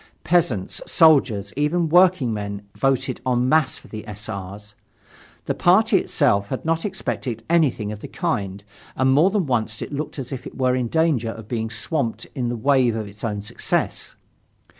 Peasants, soldiers, even workingmen voted en masse for the S. R.'s. The party itself had not expected anything of the kind, and more than once it looked as if it were in danger of being swamped in the waves of its own success.